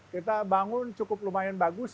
kita bangun cukup lumayan bagus